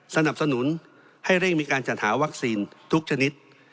สนับสนุนให้เร่งมีการจัดหาวัคซีนทุกชนิด